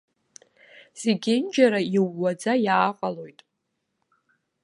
Зегьынџьара иууаӡа иааҟалоит.